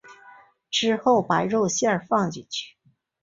之后把肉馅放进去。